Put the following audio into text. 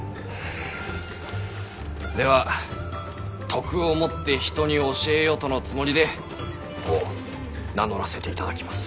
では篤を持って人に教えよとのつもりでそう名乗らせていただきます。